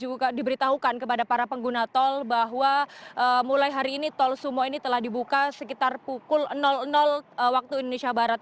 juga diberitahukan kepada para pengguna tol bahwa mulai hari ini tol sumo ini telah dibuka sekitar pukul waktu indonesia barat